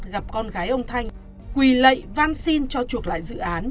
gặp con gái ông thanh quỳ lệ văn xin cho chuộc lại dự án